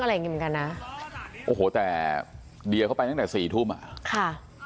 อย่างงี้เหมือนกันนะโอ้โหแต่เดียเข้าไปตั้งแต่สี่ทุ่มอ่ะค่ะ